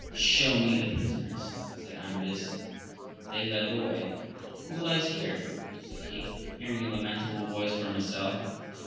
Shew me then the prisoners 1 said Amadis : they led the way. Who lies here ? said he, hearing a lamentable voice from a cell.